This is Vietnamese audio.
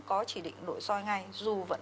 có chỉ định nội soi ngay dù vẫn